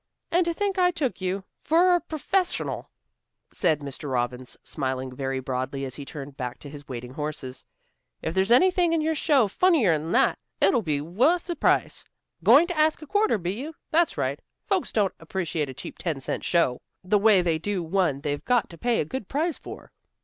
"And to think I took you for a perfessional," said Mr. Robbins, smiling very broadly as he turned back to his waiting horses. "If there's anything in your show funnier'n that, it'll be wuth the price. Going to ask a quarter, be you? That's right. Folks don't appreciate a cheap ten cent show, the way they do one they've got to pay a good price for."